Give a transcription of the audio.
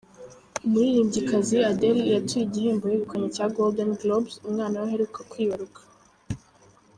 Umuririmbyikazi Adele yatuye igihembo yegukanye cya Golden Blobes umwana we aheruka kwibaruka.